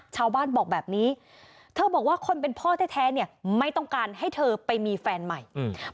ชาวบ้านบอกแบบนี้เธอบอกว่าคนเป็นพ่อแท้แท้เนี่ยไม่ต้องการให้เธอไปมีแฟนใหม่อืม